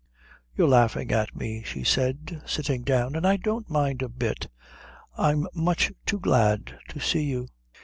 "You're laughing at me," she said, sitting down, "and I don't mind a bit. I'm much too glad to see you."